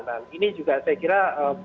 nah ini juga saya kira